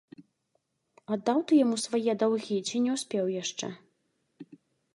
Аддаў ты яму свае даўгі ці не ўспеў яшчэ?